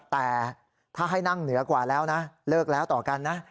แต่ถ้าให้นั่งเหนือกว่าแล้วนะเลิกแล้วต่อกันนะ